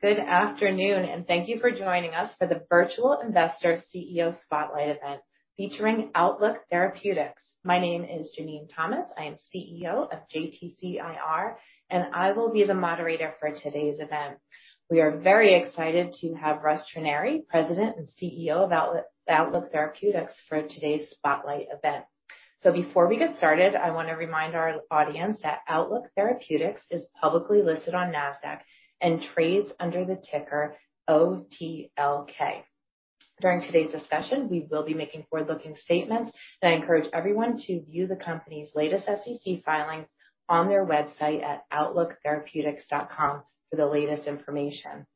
Good afternoon, and thank you for joining us for the Virtual Investor CEO Spotlight event featuring Outlook Therapeutics. My name is Jenene Thomas. I am CEO of JTC, and I will be the moderator for today's event. We are very excited to have Russ Trenary, President and CEO of Outlook Therapeutics for today's spotlight event. Before we get started, I wanna remind our audience that Outlook Therapeutics is publicly listed on Nasdaq and trades under the ticker OTLK. During today's discussion, we will be making forward-looking statements, and I encourage everyone to view the company's latest SEC filings on their website at outlooktherapeutics.com for the latest information.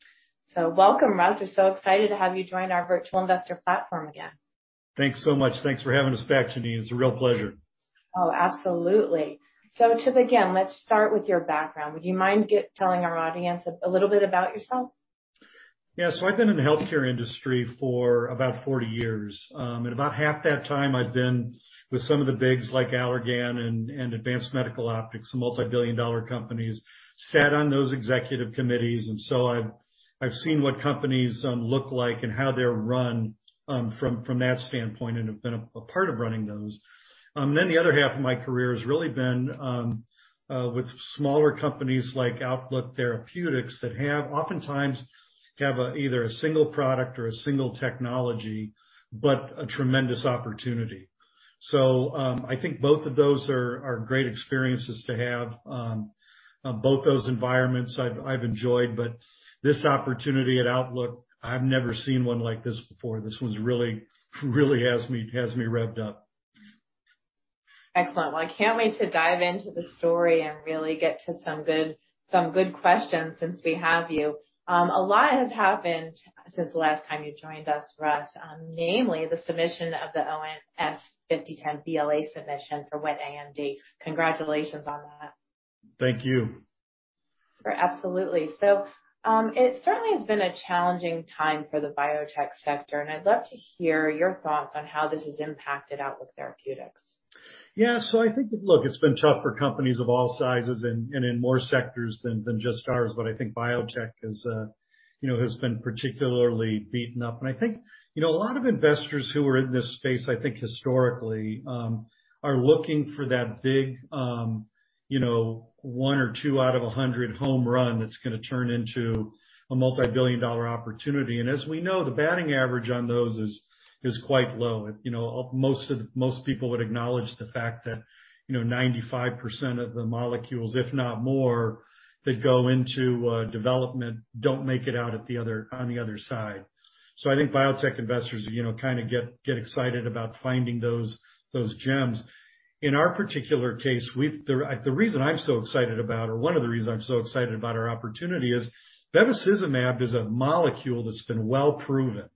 Welcome, Russ. We're so excited to have you join our virtual investor platform again. Thanks so much. Thanks for having us back, Janene. It's a real pleasure. Oh, absolutely. To begin, let's start with your background. Would you mind telling our audience a little bit about yourself? Yeah. I've been in the healthcare industry for about 40 years. About half that time I've been with some of the bigs like Allergan and Advanced Medical Optics, multi-billion dollar companies, sat on those executive committees. I've seen what companies look like and how they're run, from that standpoint and have been a part of running those. The other half of my career has really been with smaller companies like Outlook Therapeutics that have oftentimes either a single product or a single technology, but a tremendous opportunity. I think both of those are great experiences to have. Both those environments I've enjoyed, but this opportunity at Outlook, I've never seen one like this before. This one's really has me revved up. Excellent. Well, I can't wait to dive into the story and really get to some good questions since we have you. A lot has happened since the last time you joined us, Russ, namely the submission of the ONS-5010 BLA submission for wet AMD. Congratulations on that. Thank you. Absolutely. It certainly has been a challenging time for the biotech sector, and I'd love to hear your thoughts on how this has impacted Outlook Therapeutics. I think, look, it's been tough for companies of all sizes and in more sectors than just ours. I think biotech has been particularly beaten up. I think a lot of investors who are in this space, I think historically, are looking for that big one or two out of a hundred home run that's gonna turn into a multi-billion dollar opportunity. As we know, the batting average on those is quite low. Most people would acknowledge the fact that 95% of the molecules, if not more, that go into development don't make it out on the other side. I think biotech investors kinda get excited about finding those gems. The reason I'm so excited about or one of the reasons I'm so excited about our opportunity is bevacizumab is a molecule that's been well proven.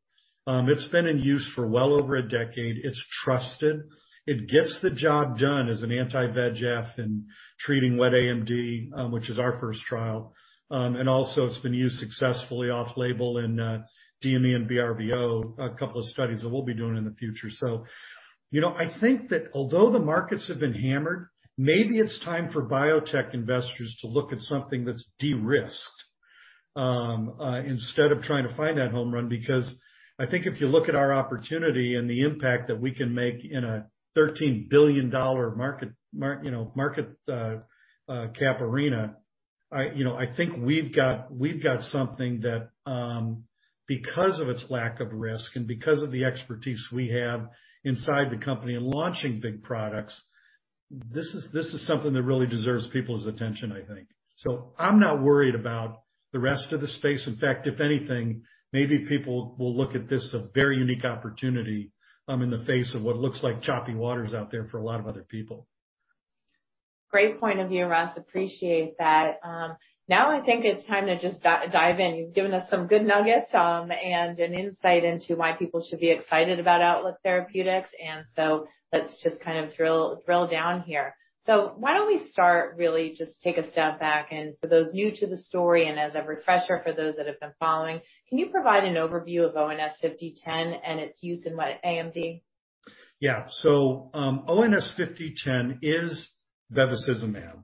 It's been in use for well over a decade. It's trusted. It gets the job done as an anti-VEGF in treating wet AMD, which is our first trial. Also it's been used successfully off-label in DME and BRVO, a couple of studies that we'll be doing in the future. You know, I think that although the markets have been hammered, maybe it's time for biotech investors to look at something that's de-risked, instead of trying to find that home run, because I think if you look at our opportunity and the impact that we can make in a $13 billion market cap arena, you know, I think we've got something that, because of its lack of risk and because of the expertise we have inside the company in launching big products, this is something that really deserves people's attention, I think. I'm not worried about the rest of the space. In fact, if anything, maybe people will look at this, a very unique opportunity, in the face of what looks like choppy waters out there for a lot of other people. Great point of view, Russ. Appreciate that. Now I think it's time to just dive in. You've given us some good nuggets, and an insight into why people should be excited about Outlook Therapeutics, and so let's just kind of drill down here. Why don't we start really just take a step back, and for those new to the story and as a refresher for those that have been following, can you provide an overview of ONS-5010 and its use in wet AMD? Yeah. ONS-5010 is bevacizumab.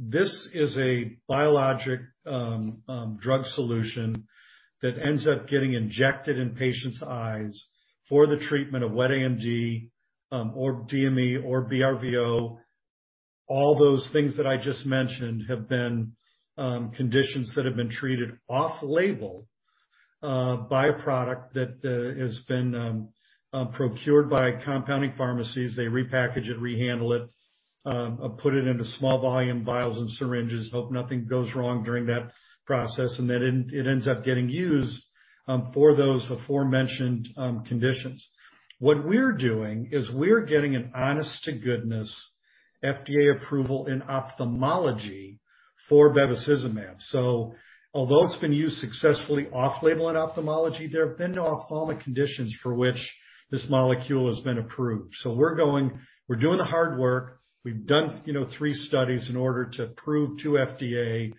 This is a biologic drug solution that ends up getting injected in patients' eyes for the treatment of wet AMD, or DME or BRVO. All those things that I just mentioned have been conditions that have been treated off-label by a product that has been procured by compounding pharmacies. They repackage it, rehandle it, put it into small volume vials and syringes, hope nothing goes wrong during that process, and then it ends up getting used for those aforementioned conditions. What we're doing is we're getting an honest-to-goodness FDA approval in ophthalmology for bevacizumab. Although it's been used successfully off-label in ophthalmology, there have been no ophthalmic conditions for which this molecule has been approved. We're going. We're doing the hard work. We've done, you know, three studies in order to prove to FDA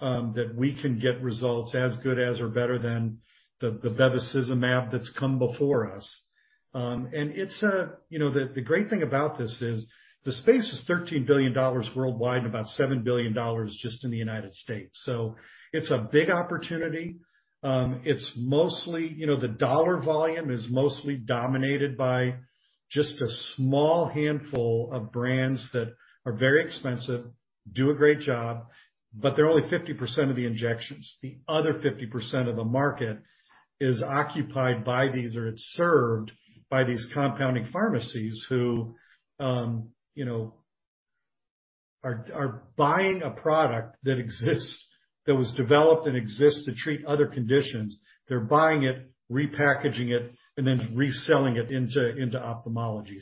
that we can get results as good as or better than the bevacizumab that's come before us. It's, you know, the great thing about this is the space is $13 billion worldwide and about $7 billion just in the United States. So it's a big opportunity. It's mostly, you know, the dollar volume is mostly dominated by just a small handful of brands that are very expensive, do a great job, but they're only 50% of the injections. The other 50% of the market is occupied by these or it's served by these compounding pharmacies who, you know, are buying a product that exists, that was developed and exists to treat other conditions. They're buying it, repackaging it, and then reselling it into ophthalmology.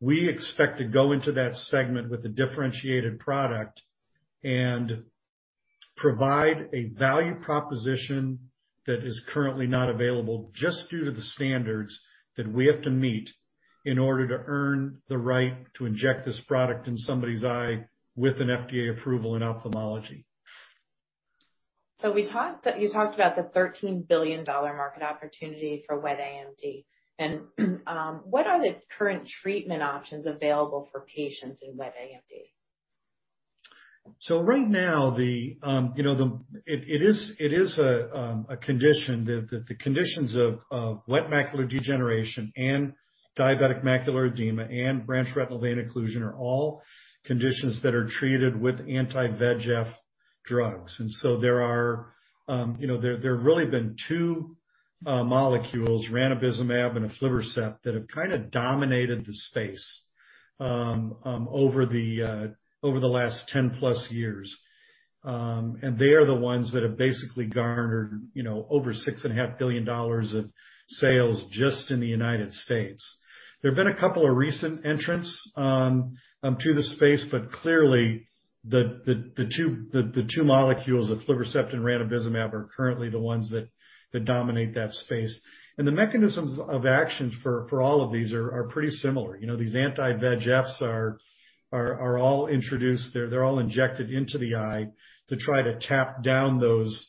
We expect to go into that segment with a differentiated product and provide a value proposition that is currently not available just due to the standards that we have to meet in order to earn the right to inject this product in somebody's eye with an FDA approval in ophthalmology. You talked about the $13 billion market opportunity for wet AMD. What are the current treatment options available for patients in wet AMD? Right now, you know, it is a condition that the conditions of wet macular degeneration and diabetic macular edema and branch retinal vein occlusion are all conditions that are treated with anti-VEGF drugs. You know, there have really been two molecules, ranibizumab and aflibercept, that have kinda dominated the space over the last 10+ years. They are the ones that have basically garnered, you know, over $6.5 billion of sales just in the United States. There have been a couple of recent entrants to the space, but clearly the two molecules, aflibercept and ranibizumab, are currently the ones that dominate that space. The mechanisms of actions for all of these are pretty similar. You know, these anti-VEGFs are all introduced. They're all injected into the eye to try to tamp down those,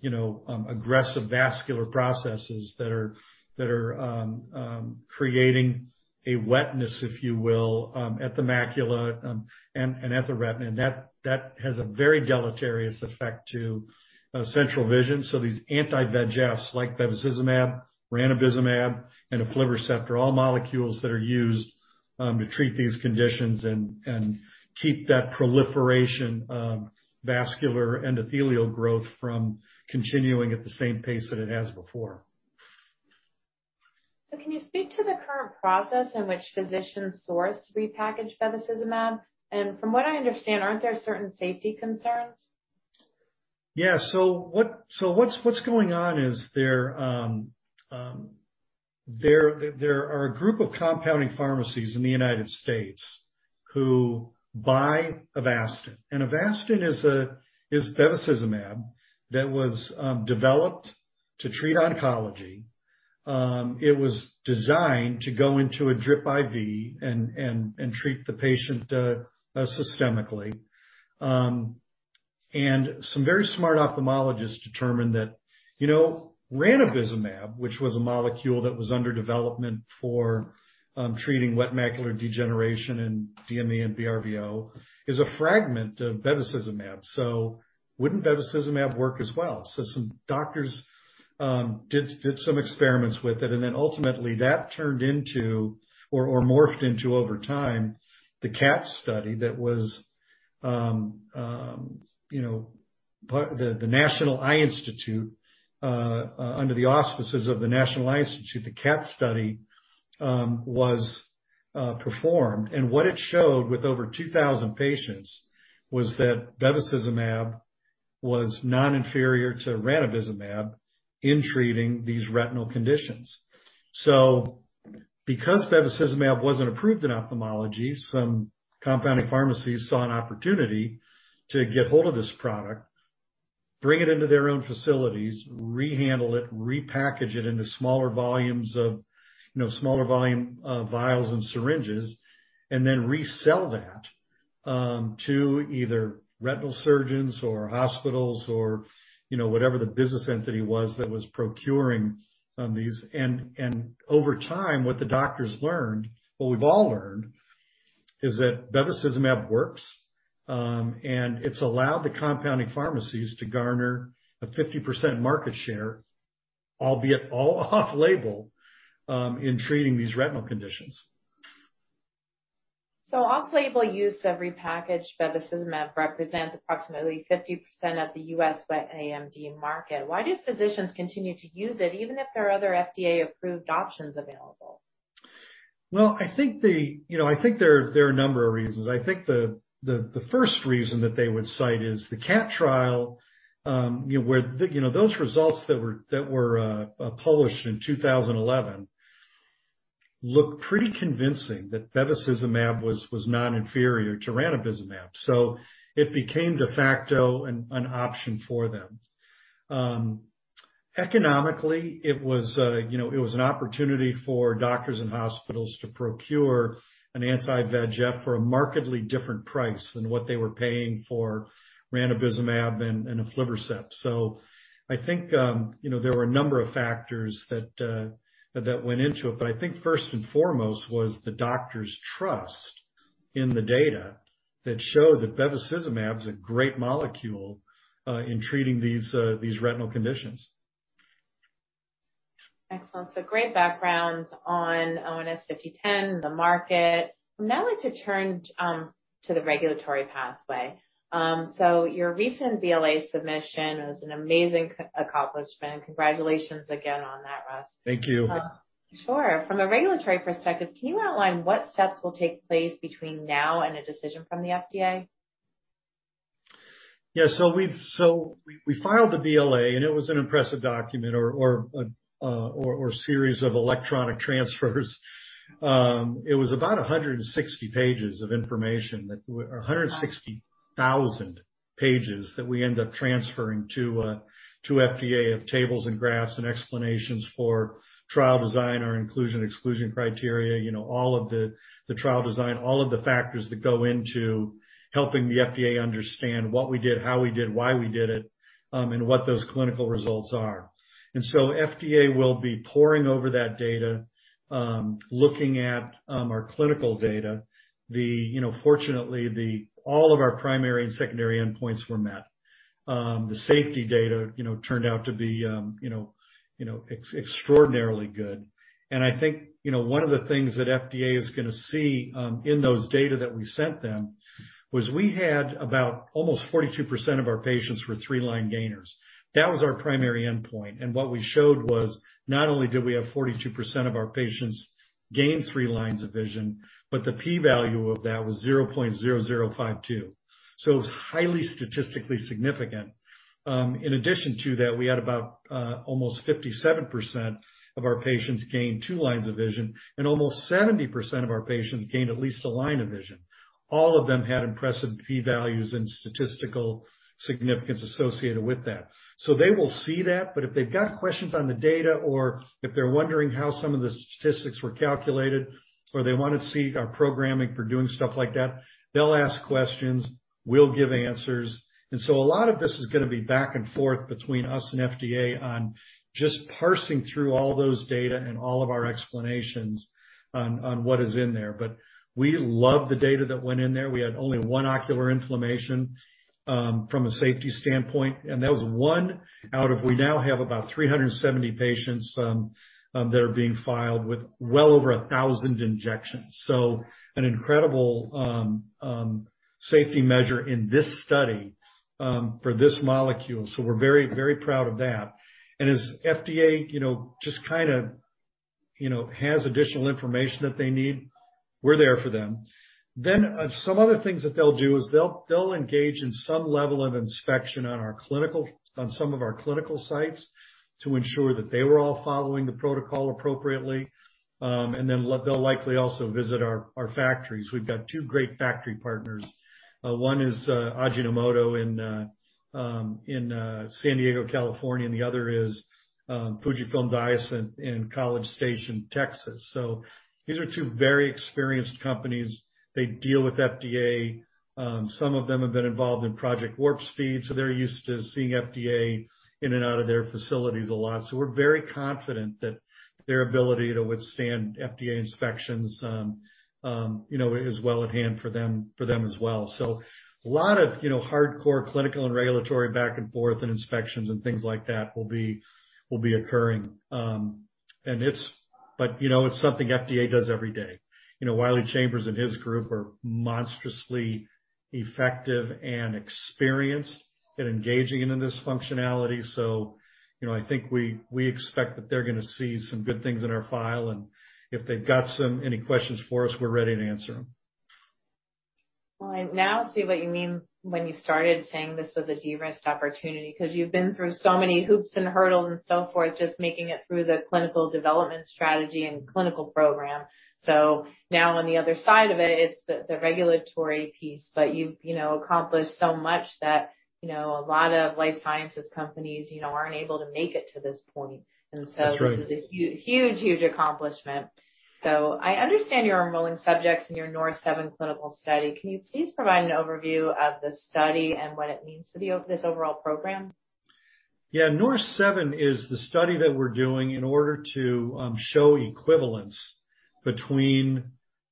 you know, aggressive vascular processes that are creating a wetness, if you will, at the macula and at the retina. That has a very deleterious effect to central vision. These anti-VEGFs like bevacizumab, ranibizumab, and aflibercept are all molecules that are used to treat these conditions and keep that proliferation of vascular endothelial growth from continuing at the same pace that it has before. Can you speak to the current process in which physicians source repackaged bevacizumab? From what I understand, aren't there certain safety concerns? Yeah. What's going on is there are a group of compounding pharmacies in the United States who buy Avastin. Avastin is bevacizumab that was developed to treat oncology. It was designed to go into a drip IV and treat the patient systemically. Some very smart ophthalmologists determined that, you know, ranibizumab, which was a molecule that was under development for treating wet macular degeneration in DME and BRVO, is a fragment of bevacizumab, so wouldn't bevacizumab work as well? Some doctors did some experiments with it, and then ultimately that turned into or morphed into over time the CATT study that was you know the National Eye Institute under the auspices of the National Eye Institute, the CATT study was performed. What it showed with over 2,000 patients was that bevacizumab was non-inferior to ranibizumab in treating these retinal conditions. Because bevacizumab wasn't approved in ophthalmology, some compounding pharmacies saw an opportunity to get hold of this product, bring it into their own facilities, rehandle it, repackage it into smaller volumes of, you know, smaller volume vials and syringes, and then resell that to either retinal surgeons or hospitals or, you know, whatever the business entity was that was procuring these. Over time, what the doctors learned, what we've all learned, is that bevacizumab works, and it's allowed the compounding pharmacies to garner a 50% market share, albeit all off-label, in treating these retinal conditions. Off-label use of repackaged bevacizumab represents approximately 50% of the U.S. wet AMD market. Why do physicians continue to use it, even if there are other FDA-approved options available? Well, I think you know there are a number of reasons. I think the first reason that they would cite is the CATT trial, you know, where you know those results that were published in 2011 looked pretty convincing that bevacizumab was non-inferior to ranibizumab, so it became de facto an option for them. Economically, you know it was an opportunity for doctors and hospitals to procure an anti-VEGF for a markedly different price than what they were paying for ranibizumab and aflibercept. I think you know there were a number of factors that went into it. I think first and foremost was the doctor's trust in the data that show that bevacizumab is a great molecule in treating these retinal conditions. Excellent. Great background on ONS-5010, the market. Now I want to turn to the regulatory pathway. Your recent BLA submission was an amazing accomplishment. Congratulations again on that, Russ. Thank you. Sure. From a regulatory perspective, can you outline what steps will take place between now and a decision from the FDA? We filed the BLA, and it was an impressive document or series of electronic transfers. It was about 160 pages of information that we or 160,000 pages that we end up transferring to FDA of tables and graphs and explanations for trial design, our inclusion/exclusion criteria. You know, all of the trial design, all of the factors that go into helping the FDA understand what we did, how we did, why we did it, and what those clinical results are. FDA will be poring over that data, looking at our clinical data. Fortunately, all of our primary and secondary endpoints were met. The safety data, you know, turned out to be extraordinarily good. I think, you know, one of the things that FDA is gonna see in those data that we sent them, was we had about almost 42% of our patients were three-line gainers. That was our primary endpoint. What we showed was not only did we have 42% of our patients gain three lines of vision, but the p-value of that was 0.0052. It was highly statistically significant. In addition to that, we had about almost 57% of our patients gain two lines of vision, and almost 70% of our patients gained at least a line of vision. All of them had impressive p-values and statistical significance associated with that. They will see that, but if they've got questions on the data or if they're wondering how some of the statistics were calculated or they wanna see our programming for doing stuff like that, they'll ask questions, we'll give answers. A lot of this is gonna be back and forth between us and FDA on just parsing through all those data and all of our explanations on what is in there. We love the data that went in there. We had only one ocular inflammation from a safety standpoint. That was one out of we now have about 370 patients that are being filed with well over 1,000 injections. An incredible safety measure in this study for this molecule. We're very, very proud of that. As FDA, you know, just kinda, you know, has additional information that they need, we're there for them. Some other things that they'll do is they'll engage in some level of inspection on some of our clinical sites to ensure that they were all following the protocol appropriately. They'll likely also visit our factories. We've got two great factory partners. One is Ajinomoto in San Diego, California, and the other is FUJIFILM Diosynth in College Station, Texas. These are two very experienced companies. They deal with FDA. Some of them have been involved in Operation Warp Speed, so they're used to seeing FDA in and out of their facilities a lot. We're very confident that their ability to withstand FDA inspections is well at hand for them as well. A lot of hardcore clinical and regulatory back and forth and inspections and things like that will be occurring. It's something FDA does every day. Wiley Chambers and his group are monstrously effective and experienced at engaging in this functionality. I think we expect that they're gonna see some good things in our file. If they've got any questions for us, we're ready to answer them. Well, I now see what you mean when you started saying this was a de-risked opportunity because you've been through so many hoops and hurdles and so forth, just making it through the clinical development strategy and clinical program. Now on the other side of it's the regulatory piece. You've, you know, accomplished so much that, you know, a lot of life sciences companies, you know, aren't able to make it to this point. That's right. This is a huge accomplishment. I understand you're enrolling subjects in your NORSE-7 clinical study. Can you please provide an overview of the study and what it means for this overall program? Yeah. NORSE-7 is the study that we're doing in order to show equivalence between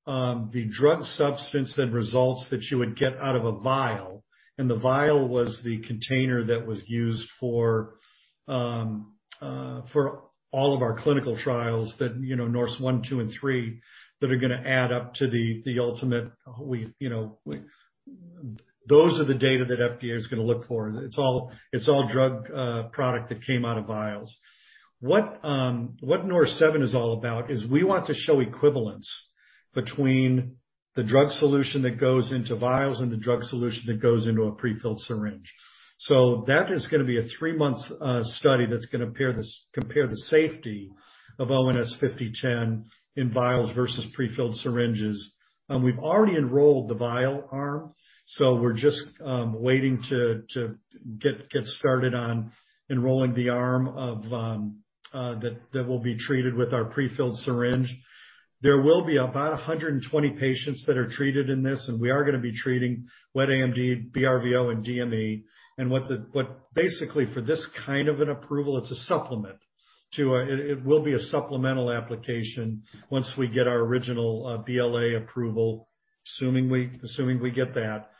the drug substance and results that you would get out of a vial. The vial was the container that was used for all of our clinical trials that, you know, NORSE-1, -2, and -3, that are gonna add up to the ultimate, you know. Those are the data that FDA is gonna look for. It's all drug product that came out of vials. What NORSE-7 is all about is we want to show equivalence between the drug solution that goes into vials and the drug solution that goes into a pre-filled syringe. That is gonna be a three-month study that's gonna compare the safety of ONS-5010 in vials versus pre-filled syringes. We've already enrolled the vial arm, so we're just waiting to get started on enrolling the arm that will be treated with our pre-filled syringe. There will be about 120 patients that are treated in this, and we are gonna be treating wet AMD, BRVO, and DME. But basically, for this kind of an approval, it will be a supplemental application once we get our original BLA approval, assuming we get that.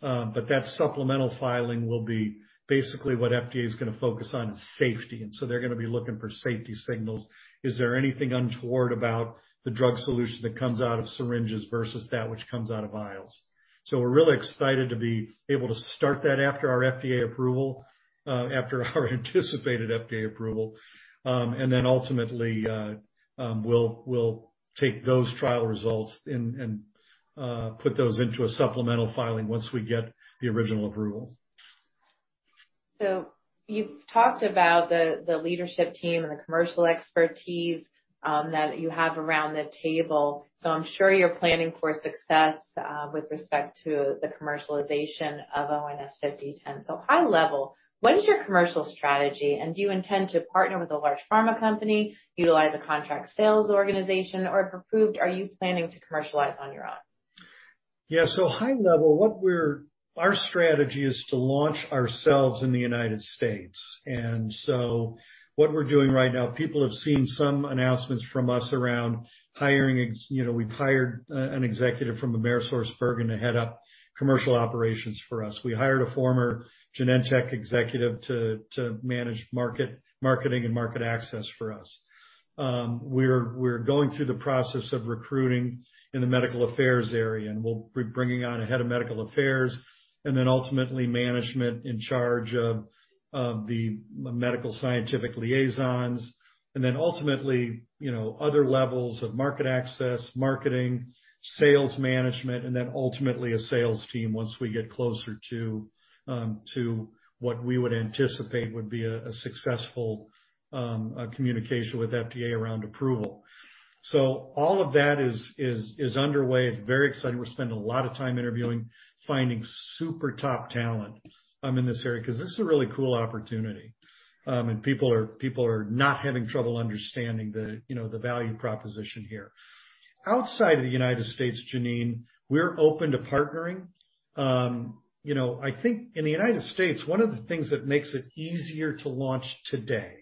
But that supplemental filing will be basically what FDA is gonna focus on is safety, and so they're gonna be looking for safety signals. Is there anything untoward about the drug solution that comes out of syringes versus that which comes out of vials? We're really excited to be able to start that after our anticipated FDA approval. Ultimately, we'll take those trial results and put those into a supplemental filing once we get the original approval. You've talked about the leadership team and the commercial expertise that you have around the table. I'm sure you're planning for success with respect to the commercialization of ONS-5010. High level, what is your commercial strategy? Do you intend to partner with a large pharma company, utilize a contract sales organization, or if approved, are you planning to commercialize on your own? Yeah. High level, our strategy is to launch ourselves in the United States. What we're doing right now, people have seen some announcements from us around hiring. You know, we've hired an executive from Amgen to head up commercial operations for us. We hired a former Genentech executive to manage marketing and market access for us. We're going through the process of recruiting in the medical affairs area, and we'll be bringing on a head of medical affairs and then ultimately management in charge of the medical scientific liaisons. Ultimately, you know, other levels of market access, marketing, sales management, and then ultimately a sales team once we get closer to what we would anticipate would be a successful communication with FDA around approval. All of that is underway. It's very exciting. We're spending a lot of time interviewing, finding super top talent in this area 'cause this is a really cool opportunity. People are not having trouble understanding the value proposition here. Outside of the United States, Janene, we're open to partnering. I think in the United States, one of the things that makes it easier to launch today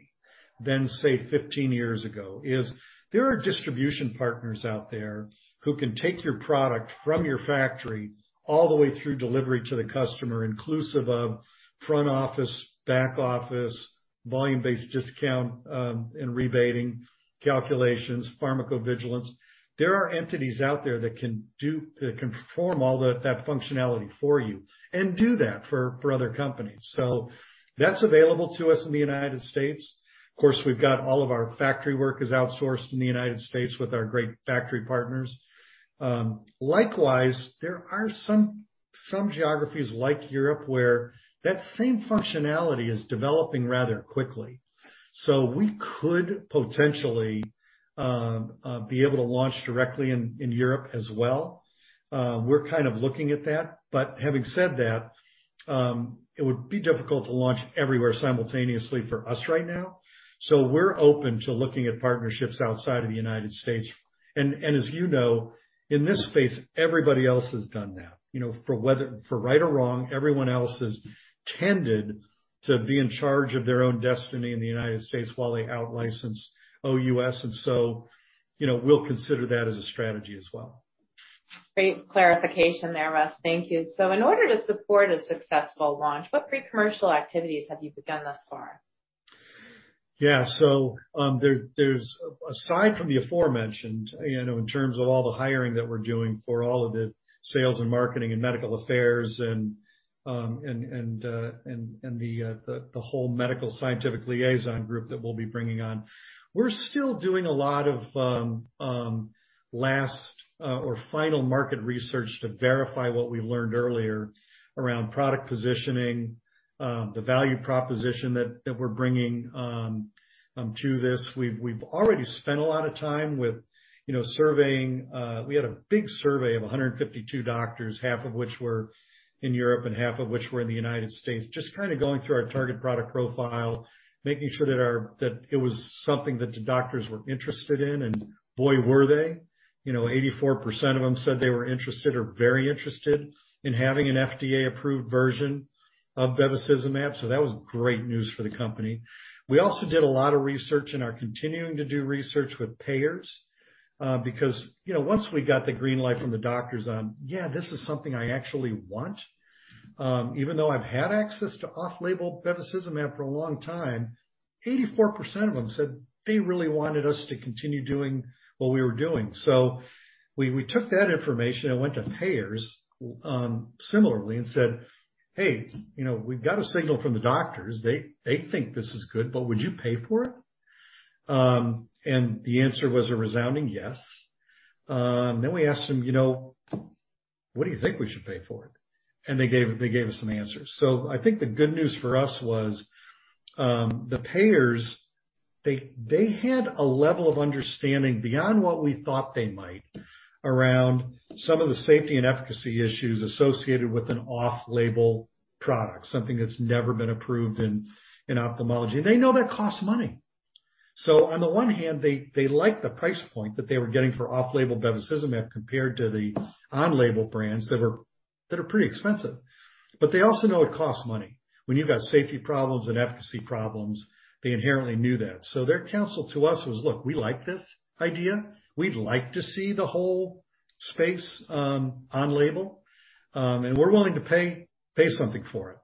than, say, 15 years ago is there are distribution partners out there who can take your product from your factory all the way through delivery to the customer, inclusive of front office, back office, volume-based discount and rebating calculations, pharmacovigilance. There are entities out there that can perform all that functionality for you and do that for other companies. That's available to us in the United States. Of course, we've got all of our factory work is outsourced in the United States with our great factory partners. Likewise, there are some geographies like Europe where that same functionality is developing rather quickly. We could potentially be able to launch directly in Europe as well. We're kind of looking at that. Having said that, it would be difficult to launch everywhere simultaneously for us right now. We're open to looking at partnerships outside of the United States. As you know, in this space, everybody else has done that. You know, for right or wrong, everyone else has tended to be in charge of their own destiny in the United States while they out-license OUS, and so, you know, we'll consider that as a strategy as well. Great clarification there, Russ. Thank you. In order to support a successful launch, what pre-commercial activities have you begun thus far? Aside from the aforementioned, you know, in terms of all the hiring that we're doing for all of the sales and marketing and medical affairs and the whole medical science liaison group that we'll be bringing on. We're still doing a lot of final market research to verify what we learned earlier around product positioning, the value proposition that we're bringing to this. We've already spent a lot of time with, you know, surveying. We had a big survey of 152 doctors, half of which were in Europe and half of which were in the United States, just kinda going through our target product profile, making sure that it was something that the doctors were interested in. Boy, were they. You know, 84% of them said they were interested or very interested in having an FDA-approved version of bevacizumab, so that was great news for the company. We also did a lot of research and are continuing to do research with payers, because, you know, once we got the green light from the doctors on, "Yeah, this is something I actually want," even though I've had access to off-label bevacizumab for a long time, 84% of them said they really wanted us to continue doing what we were doing. We took that information and went to payers, similarly and said, "Hey, you know, we've got a signal from the doctors. They think this is good, but would you pay for it?" And the answer was a resounding yes. We asked them, you know, what do you think we should pay for it? They gave us some answers. I think the good news for us was, the payers, they had a level of understanding beyond what we thought they might around some of the safety and efficacy issues associated with an off-label product, something that's never been approved in ophthalmology, and they know that costs money. On the one hand, they liked the price point that they were getting for off-label bevacizumab compared to the on-label brands that are pretty expensive. They also know it costs money. When you've got safety problems and efficacy problems, they inherently knew that. Their counsel to us was, "Look, we like this idea. We'd like to see the whole space, on label, and we're willing to pay something for it."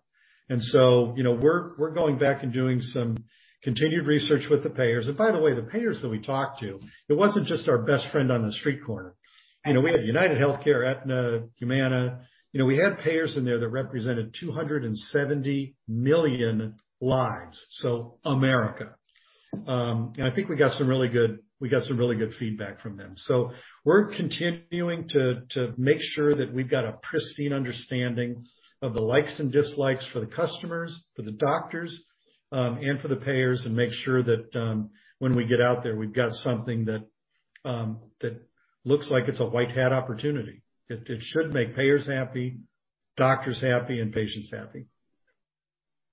You know, we're going back and doing some continued research with the payers. By the way, the payers that we talked to, it wasn't just our best friend on the street corner. You know, we had UnitedHealthcare, Aetna, Humana. You know, we had payers in there that represented 270 million lives, so America. I think we got some really good feedback from them. We're continuing to make sure that we've got a pristine understanding of the likes and dislikes for the customers, for the doctors, and for the payers, and make sure that, when we get out there, we've got something that looks like it's a white hat opportunity. It should make payers happy, doctors happy, and patients happy.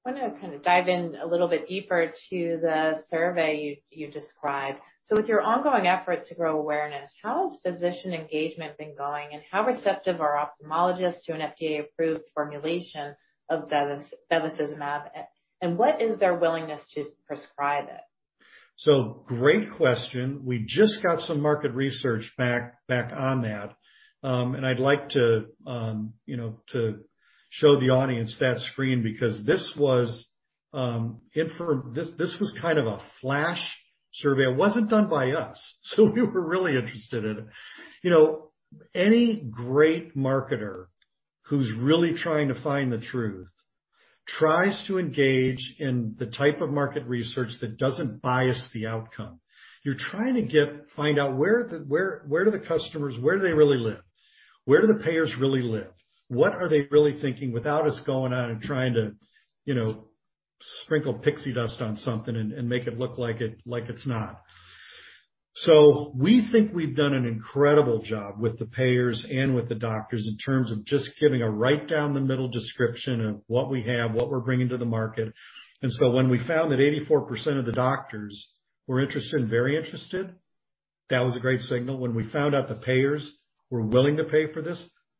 I want to kind of dive in a little bit deeper to the survey you described. With your ongoing efforts to grow awareness, how has physician engagement been going, and how receptive are ophthalmologists to an FDA-approved formulation of bevacizumab? What is their willingness to prescribe it? Great question. We just got some market research back on that. I'd like to show the audience that screen because this was kind of a flash survey. It wasn't done by us, so we were really interested in it. You know, any great marketer who's really trying to find the truth tries to engage in the type of market research that doesn't bias the outcome. You're trying to find out where the customers really live. Where do the payers really live? What are they really thinking without us going on and trying to, you know, sprinkle pixie dust on something and make it look like it's not. We think we've done an incredible job with the payers and with the doctors in terms of just giving a right down the middle description of what we have, what we're bringing to the market. When we found that 84% of the doctors were interested and very interested, that was a great signal. When we found out the payers were willing to pay for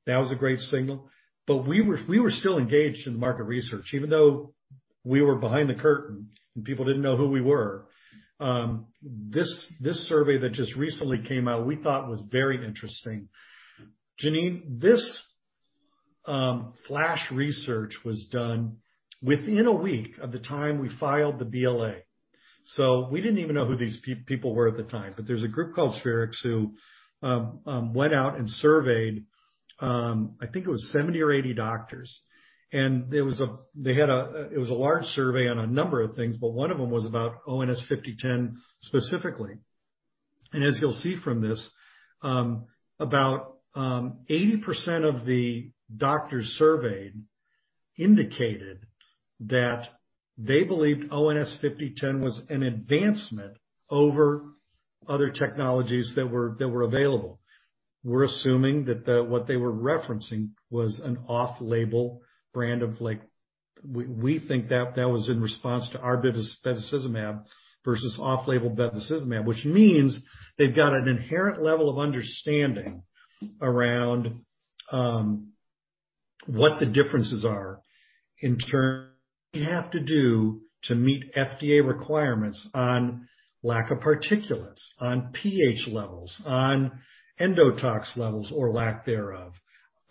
this, that was a great signal. We were still engaged in market research even though we were behind the curtain, and people didn't know who we were. This survey that just recently came out we thought was very interesting. Janene, this flash research was done within a week of the time we filed the BLA.We didn't even know who these people were at the time, but there's a group called Spherix who went out and surveyed, I think it was 70 or 80 doctors. There was a large survey on a number of things, but one of them was about ONS-5010 specifically. As you'll see from this, about 80% of the doctors surveyed indicated that they believed ONS-5010 was an advancement over other technologies that were available. We're assuming that what they were referencing was an off-label brand of. We think that was in response to our bevacizumab versus off-label bevacizumab, which means they've got an inherent level of understanding around what the differences are in turn you have to do to meet FDA requirements on lack of particulates, on pH levels, on endotoxin levels or lack thereof.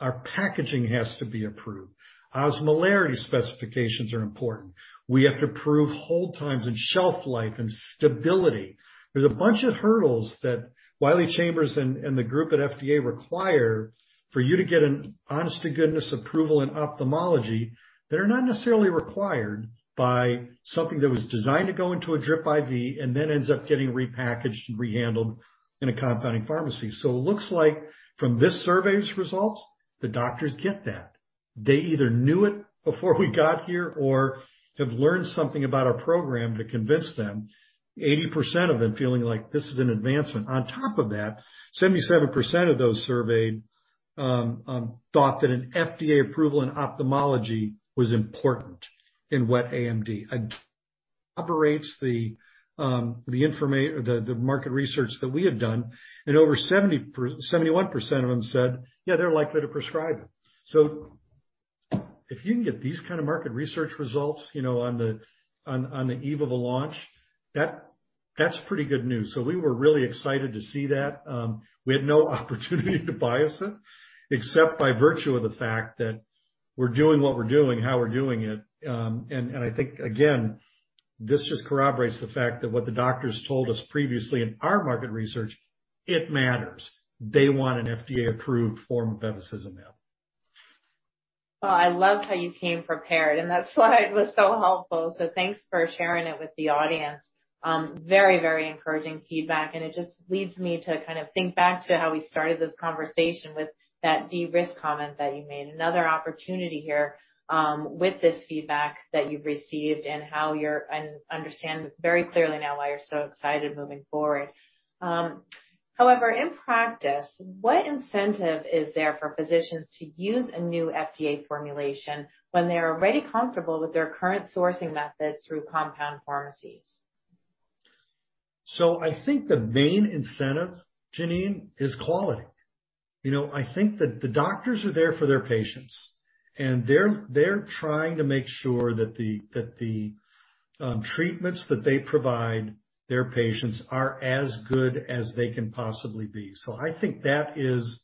Our packaging has to be approved. Osmolarity specifications are important. We have to prove hold times and shelf life and stability. There's a bunch of hurdles that Wiley Chambers and the group at FDA require for you to get an honest-to-goodness approval in ophthalmology that are not necessarily required by something that was designed to go into a drip IV and then ends up getting repackaged and rehandled in a compounding pharmacy. It looks like from this survey's results, the doctors get that. They either knew it before we got here or have learned something about our program to convince them, 80% of them feeling like this is an advancement. On top of that, 77% of those surveyed thought that an FDA approval in ophthalmology was important in wet AMD. Mm-hmm. The market research that we have done and over 71% of them said, yeah, they're likely to prescribe it. If you can get these kind of market research results, you know, on the eve of a launch, that's pretty good news. We were really excited to see that. We had no opportunity to bias it except by virtue of the fact that we're doing what we're doing, how we're doing it. I think again, this just corroborates the fact that what the doctors told us previously in our market research, it matters. They want an FDA-approved form of bevacizumab. Oh, I love how you came prepared, and that slide was so helpful. Thanks for sharing it with the audience. Very encouraging feedback. It just leads me to kind of think back to how we started this conversation with that de-risk comment that you made. Another opportunity here, with this feedback that you've received and I understand very clearly now why you're so excited moving forward. However, in practice, what incentive is there for physicians to use a new FDA formulation when they're already comfortable with their current sourcing methods through compound pharmacies? I think the main incentive, Janene, is quality. I think that the doctors are there for their patients, and they're trying to make sure that the treatments that they provide their patients are as good as they can possibly be. I think that is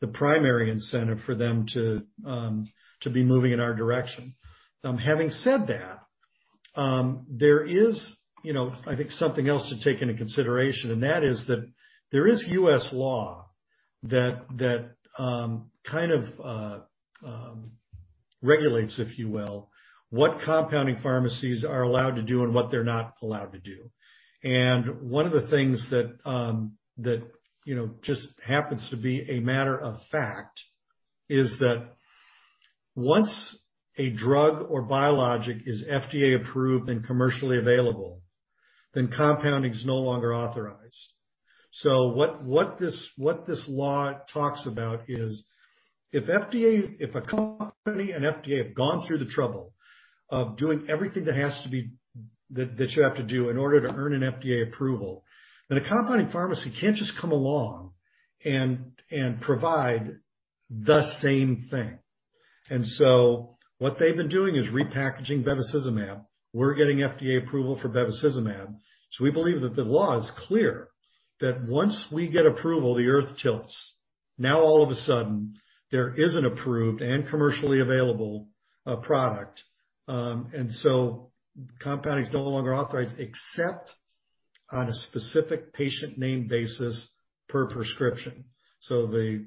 the primary incentive for them to be moving in our direction. Having said that, there is, I think, something else to take into consideration, and that is that there is U.S. law that kind of regulates, if you will, what compounding pharmacies are allowed to do and what they're not allowed to do. One of the things that, you know, just happens to be a matter of fact is that once a drug or biologic is FDA approved and commercially available, then compounding is no longer authorized. What this law talks about is if a company and FDA have gone through the trouble of doing everything that you have to do in order to earn an FDA approval, then a compounding pharmacy can't just come along and provide the same thing. What they've been doing is repackaging bevacizumab. We're getting FDA approval for bevacizumab. We believe that the law is clear that once we get approval, the earth tilts. Now all of a sudden there is an approved and commercially available product. Compounding is no longer authorized except on a specific patient name basis per prescription. In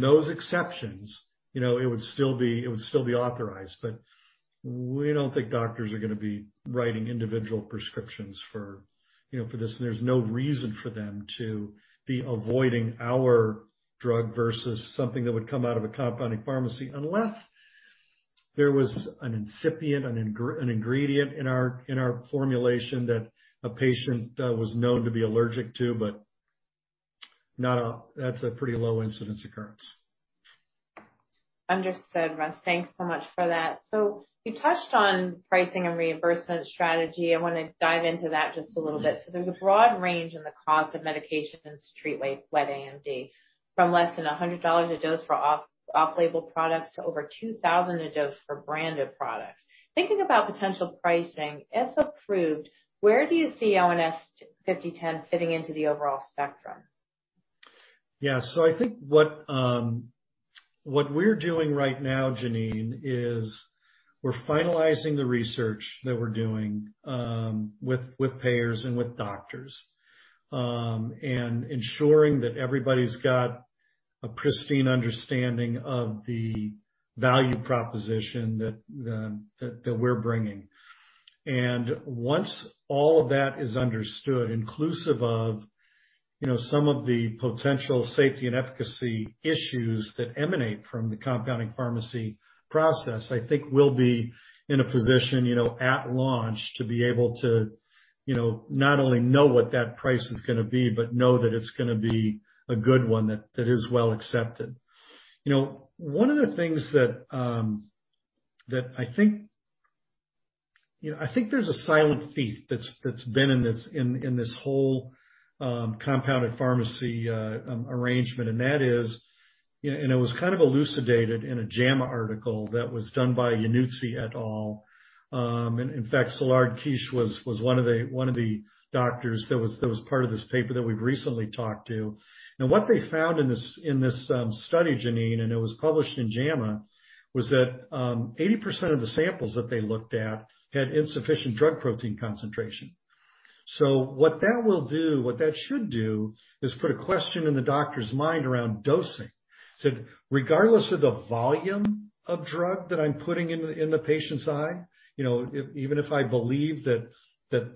those exceptions, you know, it would still be authorized, but we don't think doctors are gonna be writing individual prescriptions for, you know, for this. There's no reason for them to be avoiding our drug versus something that would come out of a compounding pharmacy unless there was an ingredient in our formulation that a patient was known to be allergic to, but that's a pretty low incidence occurrence. Understood, Russ. Thanks so much for that. You touched on pricing and reimbursement strategy. I wanna dive into that just a little bit. There's a broad range in the cost of medications to treat wet AMD, from less than $100 a dose for off-label products to over $2,000 a dose for branded products. Thinking about potential pricing, if approved, where do you see ONS-5010 fitting into the overall spectrum? Yeah. I think what we're doing right now, Janene, is we're finalizing the research that we're doing with payers and with doctors, and ensuring that everybody's got a pristine understanding of the value proposition that we're bringing. Once all of that is understood, inclusive of you know some of the potential safety and efficacy issues that emanate from the compounding pharmacy process, I think we'll be in a position you know at launch to be able to you know not only know what that price is gonna be, but know that it's gonna be a good one that is well accepted. You know, one of the things that I think You know, I think there's a silent thief that's been in this whole compounded pharmacy arrangement, and that is, you know, it was kind of elucidated in a JAMA article that was done by Yannuzzi et al. In fact, Szilard Kiss was one of the doctors that was part of this paper that we've recently talked to. What they found in this study, Janene, and it was published in JAMA, was that 80% of the samples that they looked at had insufficient drug protein concentration. What that should do is put a question in the doctor's mind around dosing. So, regardless of the volume of drug that I'm putting in the patient's eye, you know, if even if I believe that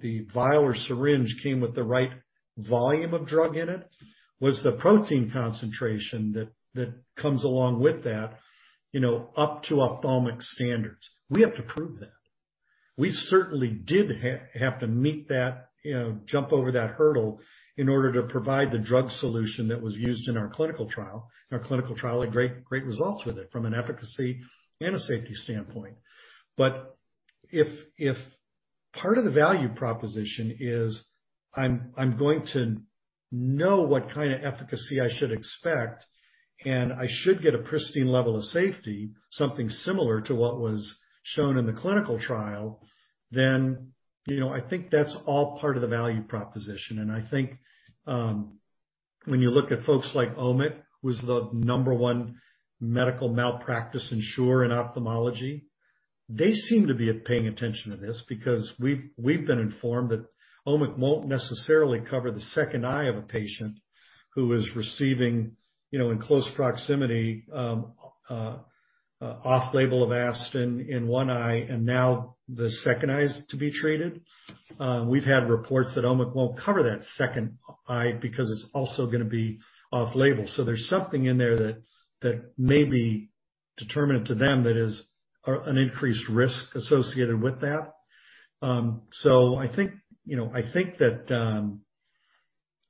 the vial or syringe came with the right volume of drug in it, was the protein concentration that comes along with that, you know, up to ophthalmic standards? We have to prove that. We certainly did have to meet that, you know, jump over that hurdle in order to provide the drug solution that was used in our clinical trial. Our clinical trial had great results with it from an efficacy and a safety standpoint. If part of the value proposition is I'm going to know what kind of efficacy I should expect, and I should get a pristine level of safety, something similar to what was shown in the clinical trial, then, you know, I think that's all part of the value proposition. I think when you look at folks like OMIC, who's the number one medical malpractice insurer in ophthalmology. They seem to be paying attention to this because we've been informed that OMIC won't necessarily cover the second eye of a patient who is receiving, you know, in close proximity, off-label Avastin in one eye and now the second eye is to be treated. We've had reports that OMIC won't cover that second eye because it's also gonna be off-label. There's something in there that may be detriment to them that is an increased risk associated with that. I think, you know, I think that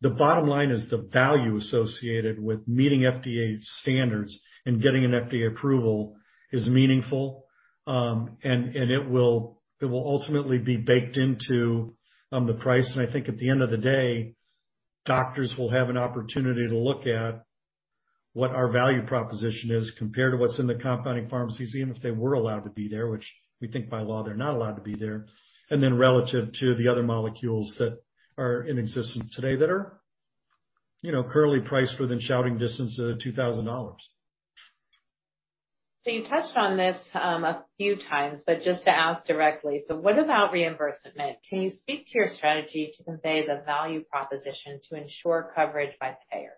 the bottom line is the value associated with meeting FDA standards and getting an FDA approval is meaningful. It will ultimately be baked into the price. I think at the end of the day, doctors will have an opportunity to look at what our value proposition is compared to what's in the compounding pharmacies, even if they were allowed to be there, which we think by law they're not allowed to be there. Relative to the other molecules that are in existence today that are, you know, currently priced within shouting distance of $2,000. You touched on this, a few times, but just to ask directly. What about reimbursement? Can you speak to your strategy to convey the value proposition to ensure coverage by payers?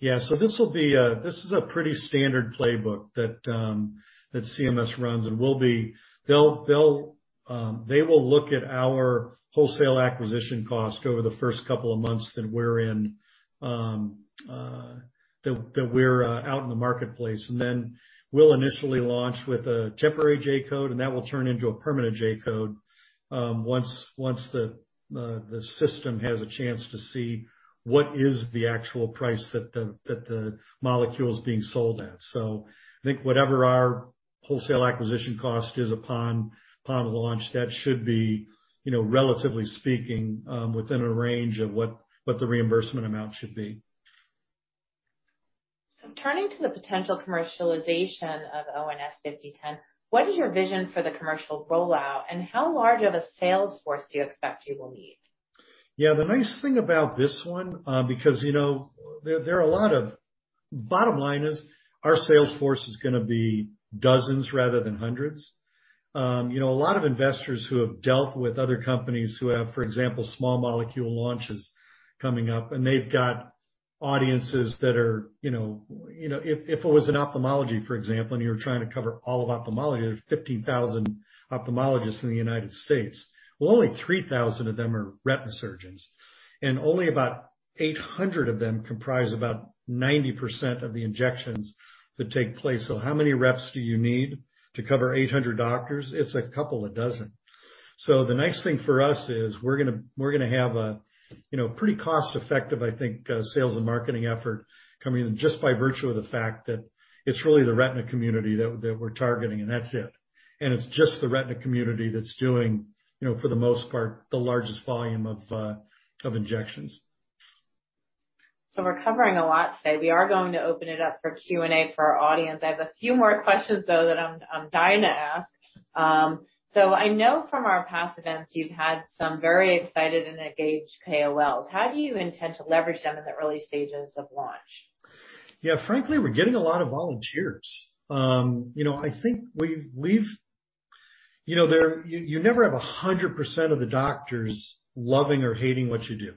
Yeah. This is a pretty standard playbook that CMS runs and they'll look at our wholesale acquisition cost over the first couple of months that we're out in the marketplace. Then we'll initially launch with a temporary J-code, and that will turn into a permanent J-code once the system has a chance to see what is the actual price that the molecule is being sold at. I think whatever our wholesale acquisition cost is upon launch, that should be, you know, relatively speaking, within a range of what the reimbursement amount should be. Turning to the potential commercialization of ONS-5010, what is your vision for the commercial rollout, and how large of a sales force do you expect you will need? Yeah, the nice thing about this one, because, you know, there are a lot of- bottom line is our sales force is gonna be dozens rather than hundreds. You know, a lot of investors who have dealt with other companies who have, for example, small molecule launches coming up, and they've got audiences that are, you know, if it was in ophthalmology, for example, and you were trying to cover all of ophthalmology, there are 15,000 ophthalmologists in the United States. Well, only 3,000 of them are retina surgeons, and only about 800 of them comprise about 90% of the injections that take place. So how many reps do you need to cover 800 doctors? It's a couple of dozen. The nice thing for us is we're gonna have a, you know, pretty cost-effective, I think, sales and marketing effort coming in just by virtue of the fact that it's really the retina community that we're targeting, and that's it. It's just the retina community that's doing, you know, for the most part, the largest volume of injections. We're covering a lot today. We are going to open it up for Q&A for our audience. I have a few more questions, though, that I'm dying to ask. I know from our past events you've had some very excited and engaged KOLs. How do you intend to leverage them in the early stages of launch? Yeah. Frankly, we're getting a lot of volunteers. You know, I think we've you know, You never have 100% of the doctors loving or hating what you do.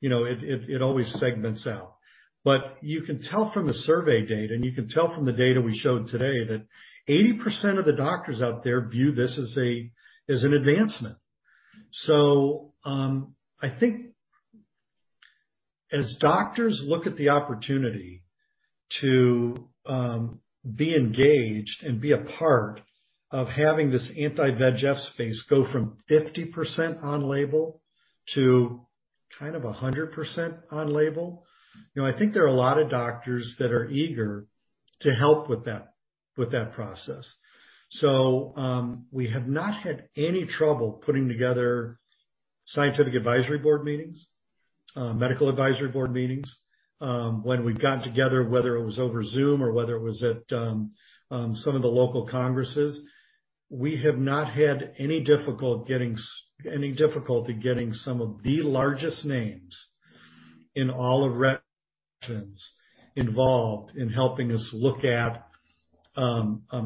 You know, it always segments out. You can tell from the survey data, and you can tell from the data we showed today, that 80% of the doctors out there view this as an advancement. I think as doctors look at the opportunity to be engaged and be a part of having this anti-VEGF space go from 50% on-label to kind of 100% on-label. You know, I think there are a lot of doctors that are eager to help with that process. We have not had any trouble putting together scientific advisory board meetings, medical advisory board meetings. When we've gotten together, whether it was over Zoom or whether it was at some of the local congresses, we have not had any difficulty getting some of the largest names in all of retina involved in helping us look at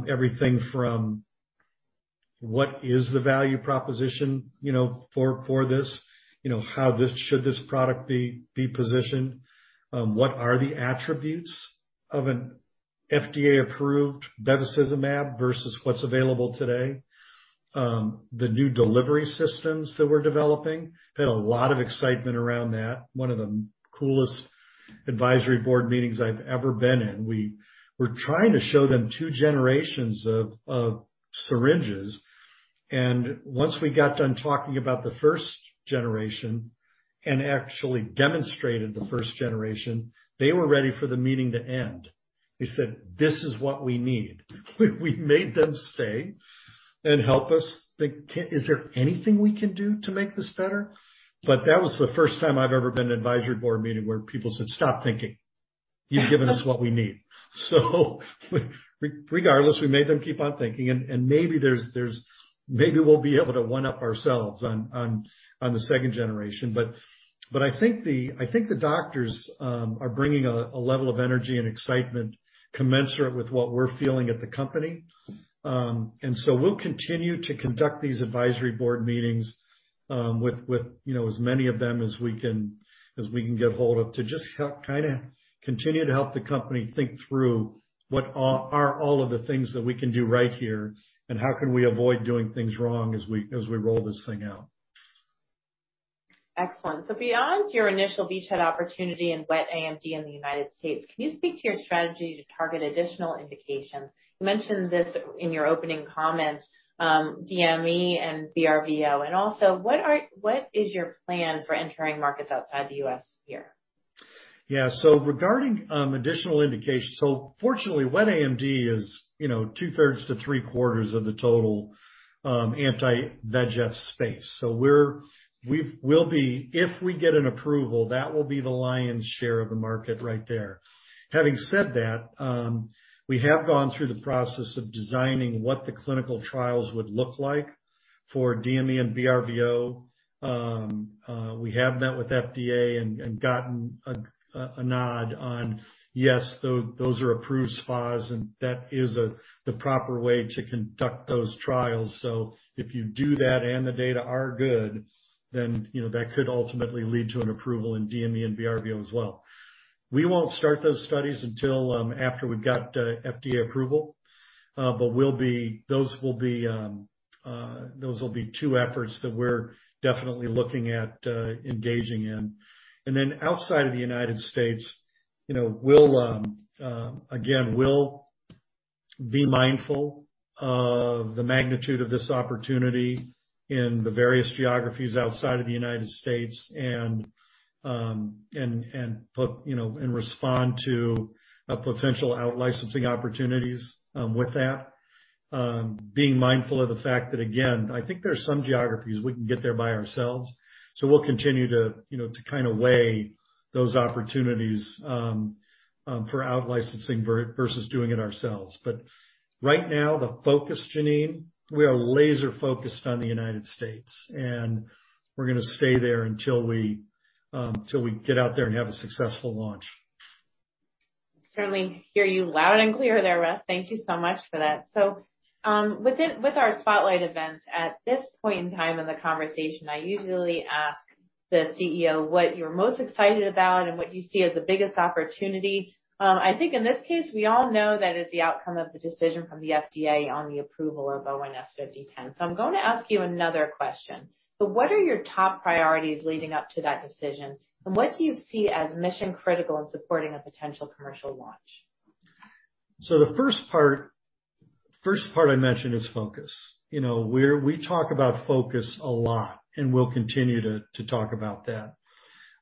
everything from what is the value proposition, you know, for this. You know, should this product be positioned? What are the attributes of an FDA-approved bevacizumab versus what's available today? The new delivery systems that we're developing had a lot of excitement around that. One of the coolest advisory board meetings I've ever been in. We were trying to show them two generations of syringes, and once we got done talking about the first generation and actually demonstrated the first generation, they were ready for the meeting to end. They said, "This is what we need." We made them stay and help us. Is there anything we can do to make this better? That was the first time I've ever been to an advisory board meeting where people said, "Stop thinking. You've given us what we need." Regardless, we made them keep on thinking, and maybe we'll be able to one-up ourselves on the second generation. I think the doctors are bringing a level of energy and excitement commensurate with what we're feeling at the company. We'll continue to conduct these advisory board meetings with, you know, as many of them as we can, as we can get hold of, to just kinda continue to help the company think through what are all of the things that we can do right here, and how can we avoid doing things wrong as we roll this thing out. Excellent. Beyond your initial beachhead opportunity in wet AMD in the United States, can you speak to your strategy to target additional indications? You mentioned this in your opening comments, DME and BRVO. Also, what is your plan for entering markets outside the US here? Yeah. Regarding additional indications. Fortunately, wet AMD is, you know, two-thirds to three-quarters of the total anti-VEGF space. If we get an approval, that will be the lion's share of the market right there. Having said that, we have gone through the process of designing what the clinical trials would look like for DME and BRVO. We have met with FDA and gotten a nod on, yes, those are approved spaces, and that is the proper way to conduct those trials. If you do that and the data are good, then, you know, that could ultimately lead to an approval in DME and BRVO as well. We won't start those studies until after we've got FDA approval. Those will be two efforts that we're definitely looking at engaging in. Then outside of the United States, you know, we'll again be mindful of the magnitude of this opportunity in the various geographies outside of the United States and respond to potential out-licensing opportunities with that. Being mindful of the fact that, again, I think there are some geographies we can get there by ourselves. We'll continue to, you know, kinda weigh those opportunities for out-licensing versus doing it ourselves. Right now, the focus, Janene, we are laser-focused on the United States, and we're gonna stay there until we till we get out there and have a successful launch. Certainly hear you loud and clear there, Russ. Thank you so much for that. With our spotlight event, at this point in time in the conversation, I usually ask the CEO what you're most excited about and what you see as the biggest opportunity. I think in this case, we all know that it's the outcome of the decision from the FDA on the approval of ONS-5010. I'm going to ask you another question. What are your top priorities leading up to that decision, and what do you see as mission-critical in supporting a potential commercial launch? The first part I mentioned is focus. You know, we talk about focus a lot, and we'll continue to talk about that.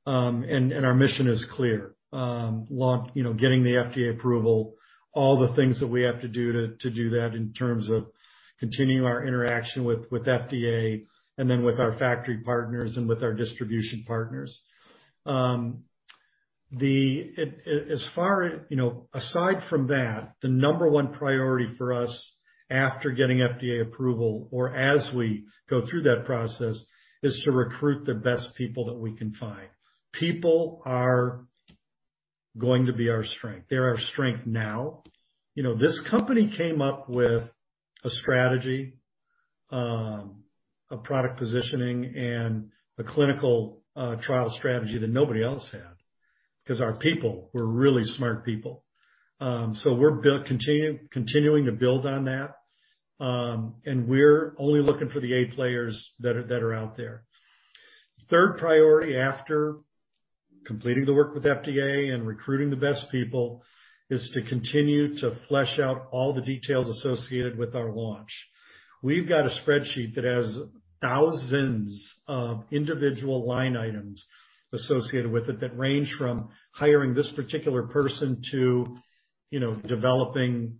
And our mission is clear. Launch, you know, getting the FDA approval, all the things that we have to do to do that in terms of continuing our interaction with FDA, and then with our factory partners and with our distribution partners. As far, you know, aside from that, the number one priority for us after getting FDA approval or as we go through that process, is to recruit the best people that we can find. People are going to be our strength. They're our strength now. You know, this company came up with a strategy, a product positioning and a clinical trial strategy that nobody else had, because our people were really smart people. We're continuing to build on that. We're only looking for the A players that are out there. Third priority after completing the work with FDA and recruiting the best people is to continue to flesh out all the details associated with our launch. We've got a spreadsheet that has thousands of individual line items associated with it that range from hiring this particular person to, you know, developing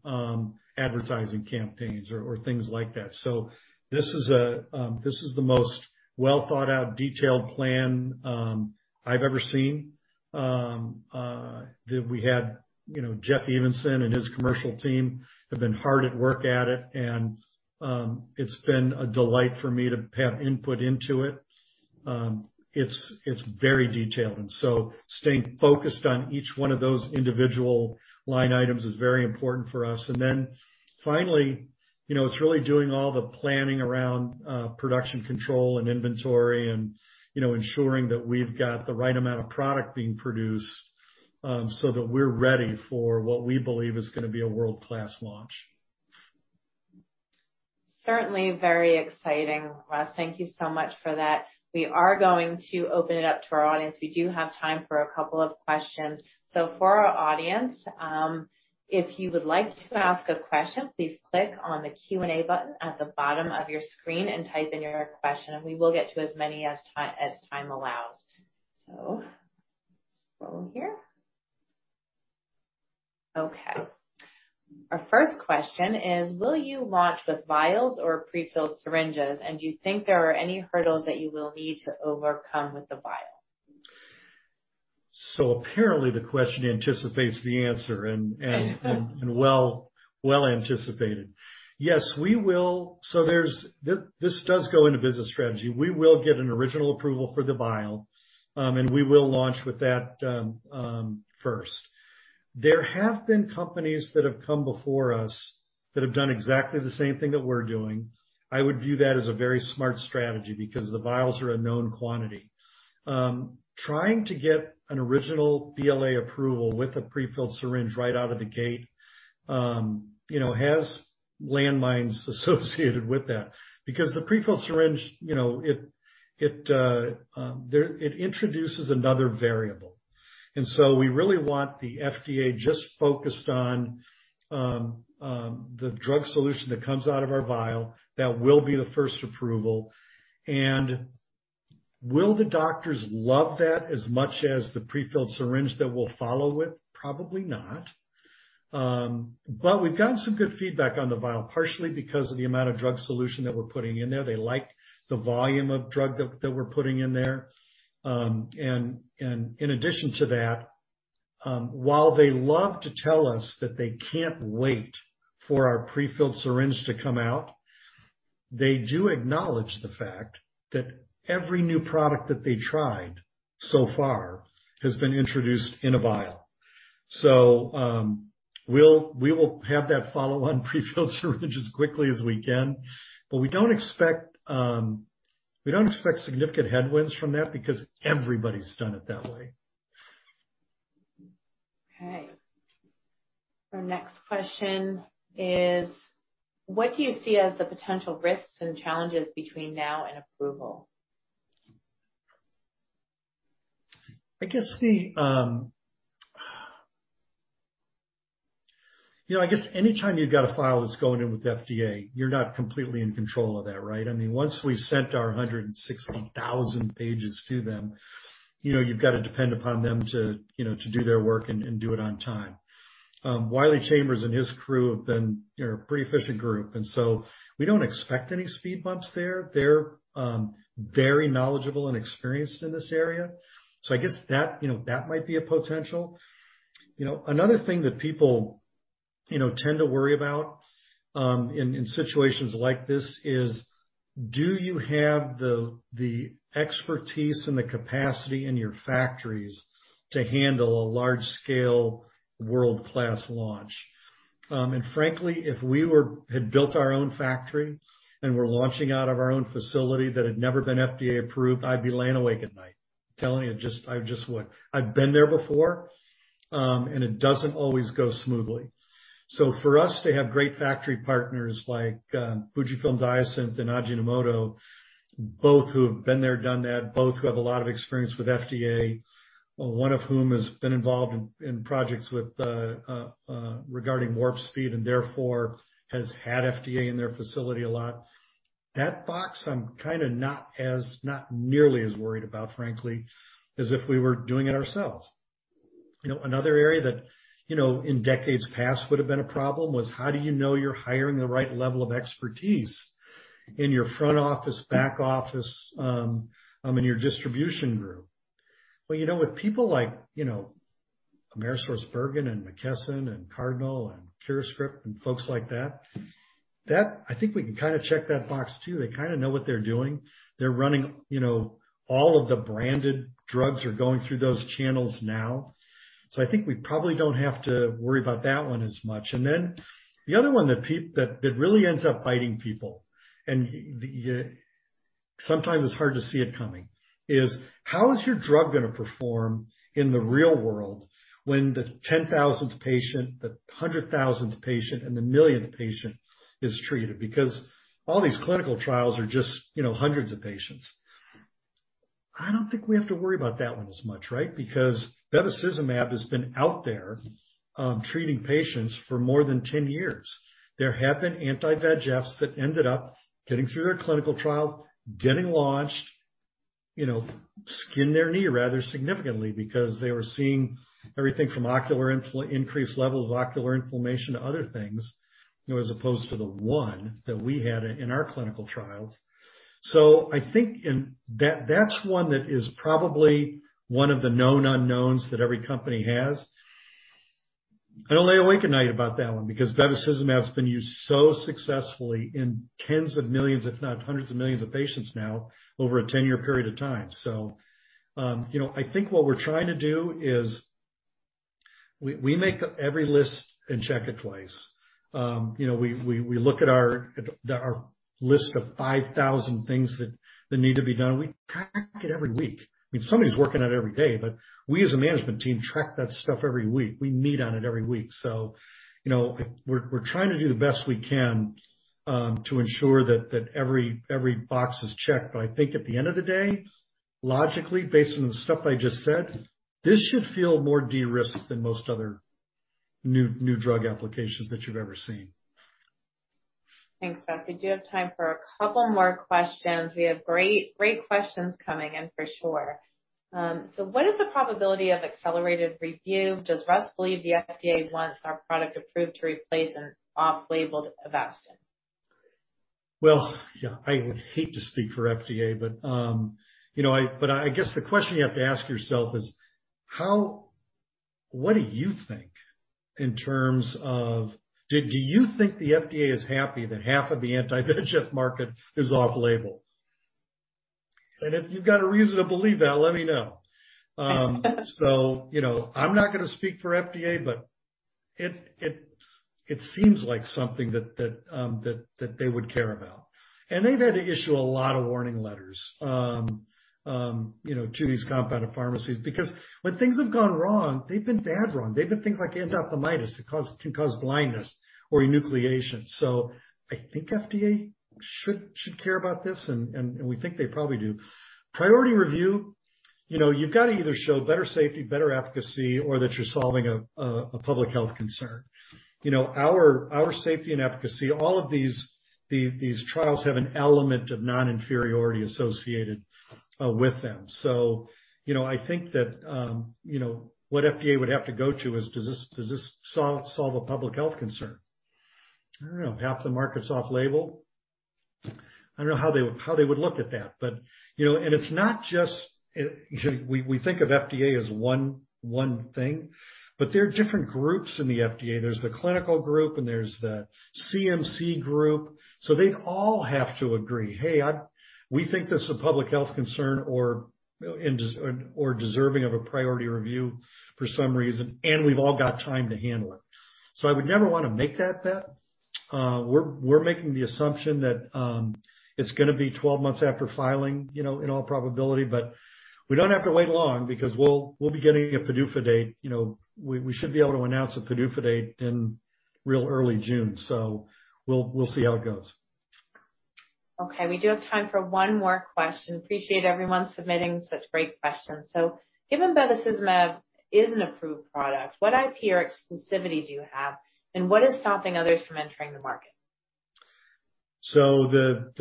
advertising campaigns or things like that. This is the most well-thought-out, detailed plan I've ever seen that we had. You know, Jeff Evanson and his commercial team have been hard at work at it, and it's been a delight for me to have input into it. It's very detailed, and so staying focused on each one of those individual line items is very important for us. Then finally, you know, it's really doing all the planning around production control and inventory and, you know, ensuring that we've got the right amount of product being produced, so that we're ready for what we believe is gonna be a world-class launch. Certainly very exciting, Russ. Thank you so much for that. We are going to open it up to our audience. We do have time for a couple of questions. For our audience, if you would like to ask a question, please click on the Q&A button at the bottom of your screen and type in your question, and we will get to as many as time allows. Scroll here. Okay. Our first question is, will you launch with vials or pre-filled syringes, and do you think there are any hurdles that you will need to overcome with the vial? Apparently the question anticipates the answer, and well anticipated. Yes, we will. This does go into business strategy. We will get an original approval for the vial, and we will launch with that, first. There have been companies that have come before us that have done exactly the same thing that we're doing. I would view that as a very smart strategy because the vials are a known quantity. Trying to get an original BLA approval with a pre-filled syringe right out of the gate, you know, has landmines associated with that because the pre-filled syringe, you know, it introduces another variable. We really want the FDA just focused on the drug solution that comes out of our vial. That will be the first approval. Will the doctors love that as much as the pre-filled syringe that we'll follow with? Probably not. But we've gotten some good feedback on the vial, partially because of the amount of drug solution that we're putting in there. They like the volume of drug that we're putting in there. And in addition to that, while they love to tell us that they can't wait for our pre-filled syringe to come out, they do acknowledge the fact that every new product that they tried so far has been introduced in a vial. We will have that follow-on pre-filled syringe as quickly as we can, but we don't expect significant headwinds from that because everybody's done it that way. Okay. Our next question is: what do you see as the potential risks and challenges between now and approval? You know, I guess anytime you've got a file that's going in with the FDA, you're not completely in control of that, right? I mean, once we've sent our 160,000 pages to them, you know, you've got to depend upon them to, you know, to do their work and do it on time. Wiley Chambers and his crew have been, you know, a pretty efficient group, and so we don't expect any speed bumps there. They're very knowledgeable and experienced in this area. I guess that, you know, that might be a potential. You know, another thing that people, you know, tend to worry about, in situations like this is, do you have the expertise and the capacity in your factories to handle a large-scale world-class launch? Frankly, if we had built our own factory and were launching out of our own facility that had never been FDA approved, I'd be laying awake at night telling you I just would. I've been there before, and it doesn't always go smoothly. For us to have great factory partners like Fujifilm Diosynth and Ajinomoto, both who have been there, done that, both who have a lot of experience with FDA. One of whom has been involved in projects with regard to Operation Warp Speed and therefore has had FDA in their facility a lot. That box I'm kind of not nearly as worried about, frankly, as if we were doing it ourselves. You know, another area that, you know, in decades past would have been a problem was how do you know you're hiring the right level of expertise in your front office, back office, in your distribution group? Well, you know, with people like, you know, AmerisourceBergen and McKesson and Cardinal and CuraScript and folks like that I think we can kind of check that box too. They kind of know what they're doing. They're running, you know, all of the branded drugs are going through those channels now. I think we probably don't have to worry about that one as much. The other one that that really ends up biting people, and sometimes it's hard to see it coming, is how is your drug going to perform in the real world when the 10,000th patient, the 100,000th patient and the 1,000,000th patient is treated? Because all these clinical trials are just, you know, hundreds of patients. I don't think we have to worry about that one as much, right? Because bevacizumab has been out there, treating patients for more than 10 years. There have been anti-VEGFs that ended up getting through their clinical trials, getting launched, you know, skin their knee rather significantly because they were seeing everything from increased levels of ocular inflammation to other things, you know, as opposed to the one that we had in our clinical trials. I think that's one that is probably one of the known unknowns that every company has. I don't lay awake at night about that one because bevacizumab has been used so successfully in tens of millions, if not hundreds of millions of patients now over a 10-year period of time. I think what we're trying to do is we make up every list and check it twice. We look at our list of 5,000 things that need to be done. We track it every week. I mean, somebody's working on it every day, but we as a management team track that stuff every week. We meet on it every week. We're trying to do the best we can to ensure that every box is checked. I think at the end of the day, logically, based on the stuff I just said, this should feel more de-risked than most other new drug applications that you've ever seen. Thanks, Russ. We do have time for a couple more questions. We have great questions coming in for sure. What is the probability of accelerated review? Does Russ believe the FDA wants our product approved to replace an off-label Avastin? Well, yeah, I would hate to speak for FDA, but you know, I but I guess the question you have to ask yourself is what do you think in terms of do you think the FDA is happy that half of the anti-VEGF market is off-label? If you've got a reason to believe that, let me know. You know, I'm not gonna speak for FDA, but it seems like something that they would care about. They've had to issue a lot of warning letters you know to these compounded pharmacies because when things have gone wrong, they've been bad wrong. They've been things like endophthalmitis that can cause blindness or enucleation. I think FDA should care about this and we think they probably do. Priority review, you know, you've got to either show better safety, better efficacy, or that you're solving a public health concern. You know, our safety and efficacy, all of these trials have an element of non-inferiority associated with them. You know, I think that, you know, what FDA would have to go to is does this solve a public health concern? I don't know, half the market's off-label. I don't know how they would look at that. You know, and it's not just it, we think of FDA as one thing, but there are different groups in the FDA. There's the clinical group, and there's the CMC group. They'd all have to agree, "Hey, we think this is a public health concern or deserving of a priority review for some reason, and we've all got time to handle it." I would never wanna make that bet. We're making the assumption that it's gonna be 12 months after filing, you know, in all probability. We don't have to wait long because we'll be getting a PDUFA date. You know, we should be able to announce a PDUFA date in real early June. We'll see how it goes. Okay, we do have time for one more question. Appreciate everyone submitting such great questions. Given bevacizumab is an approved product, what IP or exclusivity do you have, and what is stopping others from entering the market? The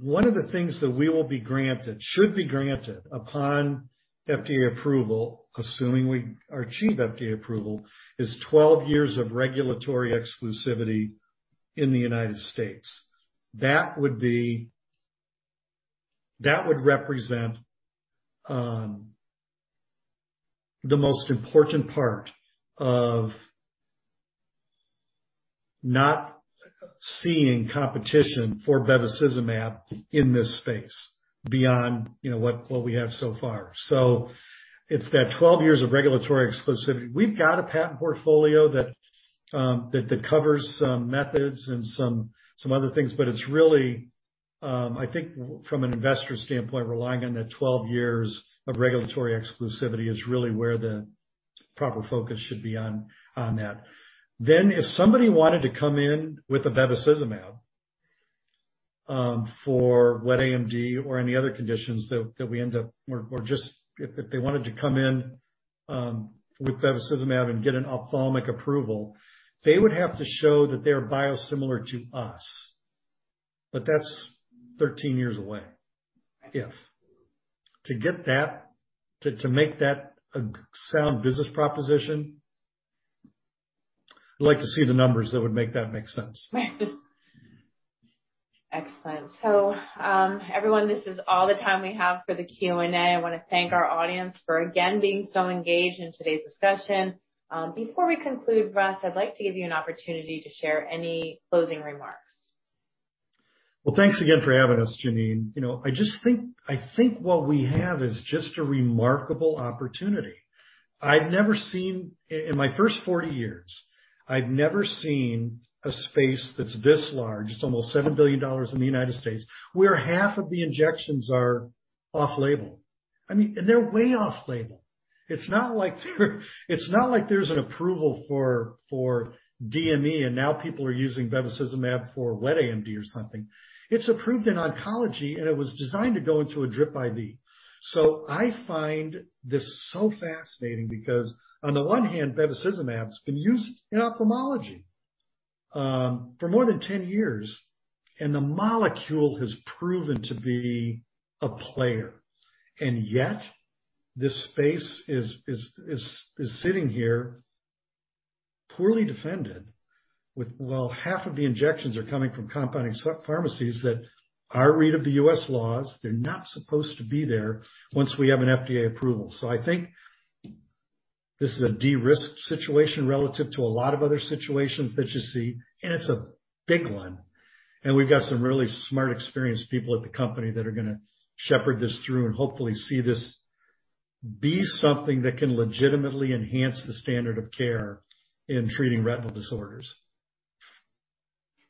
one of the things that we will be granted, should be granted upon FDA approval, assuming we achieve FDA approval, is 12 years of regulatory exclusivity in the United States. That would represent the most important part of not seeing competition for bevacizumab in this space beyond, you know, what we have so far. It's that 12 years of regulatory exclusivity. We've got a patent portfolio that covers some methods and some other things, but it's really, I think from an investor standpoint, relying on that 12 years of regulatory exclusivity is really where the proper focus should be on that. If somebody wanted to come in with a bevacizumab for wet AMD or any other conditions that we end up or just if they wanted to come in with bevacizumab and get an ophthalmic approval, they would have to show that they are biosimilar to us. That's 13 years away, if. To get that to make that a sound business proposition, I'd like to see the numbers that would make that make sense. Excellent. Everyone, this is all the time we have for the Q&A. I wanna thank our audience for again being so engaged in today's discussion. Before we conclude, Russ, I'd like to give you an opportunity to share any closing remarks. Well, thanks again for having us, Janene. You know, I think what we have is just a remarkable opportunity. I've never seen, in my first 40 years, a space that's this large, it's almost $7 billion in the United States, where half of the injections are off-label. I mean, they're way off-label. It's not like there's an approval for DME, and now people are using bevacizumab for wet AMD or something. It's approved in oncology, and it was designed to go into a drip IV. I find this so fascinating because on the one hand, bevacizumab's been used in ophthalmology for more than 10 years, and the molecule has proven to be a player. This space is sitting here poorly defended with, well, half of the injections are coming from compounding pharmacies that our read of the U.S. laws, they're not supposed to be there once we have an FDA approval. I think this is a de-risk situation relative to a lot of other situations that you see, and it's a big one, and we've got some really smart, experienced people at the company that are gonna shepherd this through and hopefully see this be something that can legitimately enhance the standard of care in treating retinal disorders.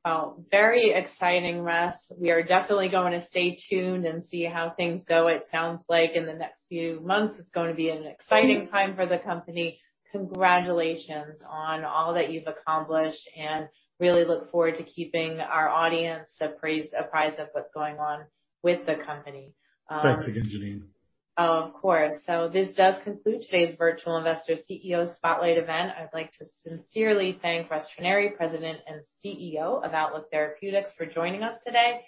Well, very exciting, Russ. We are definitely going to stay tuned and see how things go. It sounds like in the next few months it's going to be an exciting time for the company. Congratulations on all that you've accomplished and really look forward to keeping our audience apprised of what's going on with the company. Thanks again, Janene. Of course. This does conclude today's Virtual Investor CEO Spotlight event. I'd like to sincerely thank Russ Trenary, President and CEO of Outlook Therapeutics, for joining us today.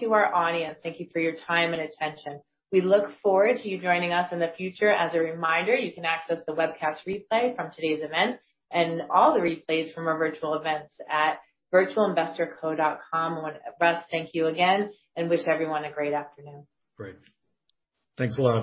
To our audience, thank you for your time and attention. We look forward to you joining us in the future. As a reminder, you can access the webcast replay from today's event and all the replays from our virtual events at virtualinvestorco.com. Russ, thank you again and wish everyone a great afternoon. Great. Thanks a lot.